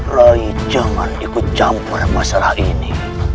roy jangan ikut campur masalah ini